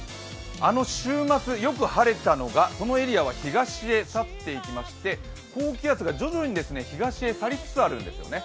あの週末、よく晴れてたのがこのエリアは東へ去っていきまして高気圧が徐々に東へ去りつつあるんですね。